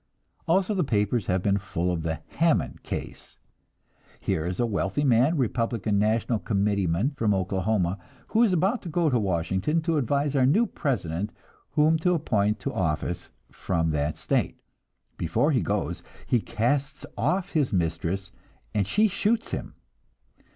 Also the papers have been full of the "Hamon case." Here is a wealthy man, Republican National Committeeman from Oklahoma, who is about to go to Washington to advise our new President whom to appoint to office from that state. Before he goes, he casts off his mistress, and she shoots him.